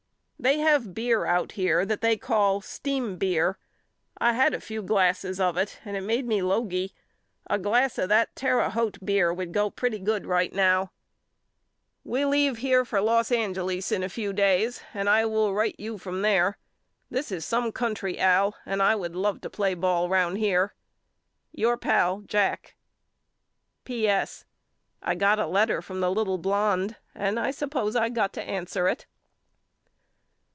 They have beer out here that they call steam beer. I had a few glasses of it and it made me logey. A glass of that Terre Haute beer would go pretty good right now. A RUSHER'S LETTERS HOME 25 We leave here for Los Angeles in a few days and I will write you from there. This is some country Al and I would love to play ball round here. Your Pal, JACK. P. S. I got a letter from the little blonde and I suppose I got to answer it.